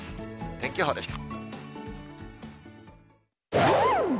天気予報でした。